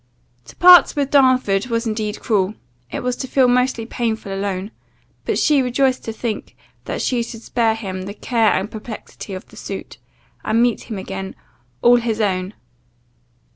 To part with Darnford was indeed cruel. It was to feel most painfully alone; but she rejoiced to think, that she should spare him the care and perplexity of the suit, and meet him again, all his own.